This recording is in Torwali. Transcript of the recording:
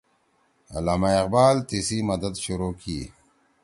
علامہ اقبال تیِسی مدد شروع کی